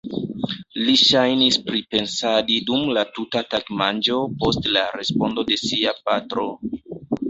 Li ŝajnis pripensadi dum la tuta tagmanĝo post la respondo de sia patro.